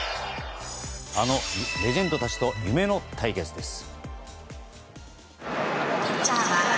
あのレジェンドたちと夢の対決です。